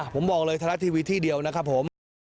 ผมบอกเลยไทยรัฐทีวีที่เดียวนะครับผม